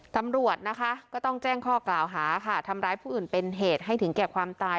ตำรวจนะคะก็ต้องแจ้งข้อกล่าวหาค่ะทำร้ายผู้อื่นเป็นเหตุให้ถึงแก่ความตาย